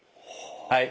はい。